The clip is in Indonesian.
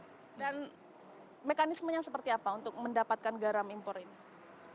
dan mekanismenya seperti apa untuk mendapatkan garam impor ini